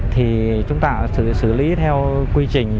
thì chúng ta sẽ xử lý theo quy trình